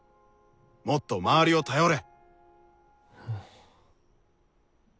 もっと周りを頼れ！